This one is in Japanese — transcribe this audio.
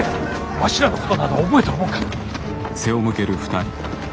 わしらのことなど覚えとるもんか。